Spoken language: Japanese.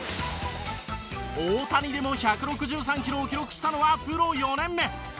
大谷でも１６３キロを記録したのはプロ４年目。